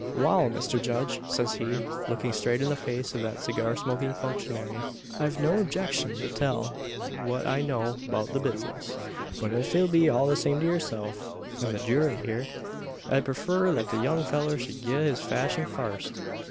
"Wal, Mister Judge!" says he, looking straight in the face of that cigar smoking functionary; "I've no objection to tell what I know 'beout the bizness; but ef it be all the same to yurself, an the Jewry hyur, I'd preefar that the young fellur shed gie his varsion fust.